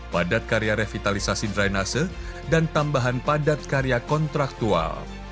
padat karya revitalisasi drainase dan tambahan padat karya kontraktual